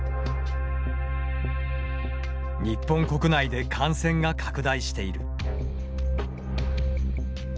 日本国内で感染が拡大している。